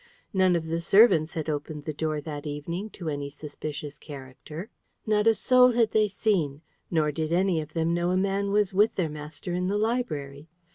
None of the servants had opened the door that evening to any suspicious character; not a soul had they seen, nor did any of them know a man was with their master in the library.